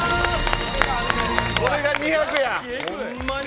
これが２００や！